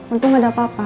untung gak ada apa apa